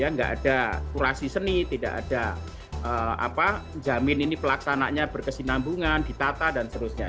tidak ada kurasi seni tidak ada jamin ini pelaksananya berkesinambungan ditata dan seterusnya